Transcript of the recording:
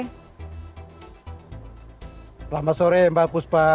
selamat sore mbak puspa